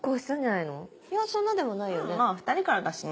いやそんなでもないよね。